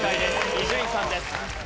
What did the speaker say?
伊集院さんです。